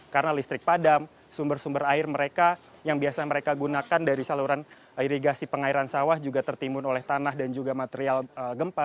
karena listrik padam sumber sumber air mereka yang biasa mereka gunakan dari saluran irigasi pengairan sawah juga tertimbun oleh tanah dan juga material gempa